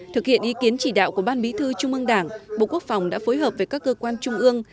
thực hiện ý kiến chỉ đạo của ban bí thư trung ương đảng bộ quốc phòng đã phối hợp với các cơ quan trung ương